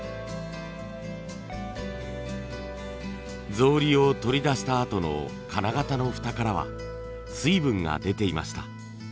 草履を取り出したあとの金型の蓋からは水分が出ていました。